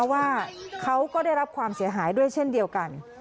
ว่าเขาก็ได้รับความเสียหายด้วยเช่นเดียวกัน